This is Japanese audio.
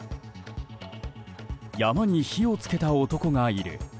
山に火を付けた男がいる。